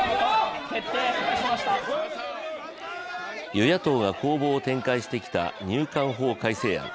与野党が攻防を展開してきた入管法改正案。